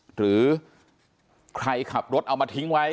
หรือใครขับรถเอามาทิ้งไว้